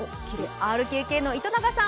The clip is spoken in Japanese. ＲＫＫの糸永さん